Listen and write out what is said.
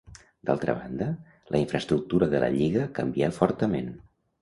D'altra banda, la infraestructura de la lliga canvià fortament.